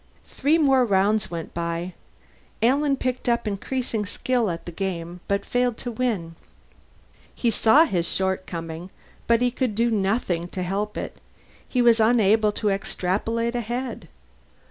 Three more rounds went by; Alan picked up increasing skill at the game, but failed to win. He saw his shortcoming, but could not do anything to help it: he was unable to extrapolate ahead.